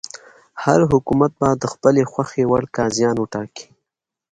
هر حکومت به د خپلې خوښې وړ قاضیان وټاکي.